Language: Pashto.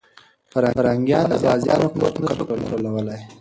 پرنګیان د غازيانو قوت نه سو کنټرولولی.